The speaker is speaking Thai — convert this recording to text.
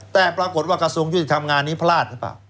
แต่ปรากฏว่ากระทรวงยุติธรรมงานนี้พลาดหรือเปล่า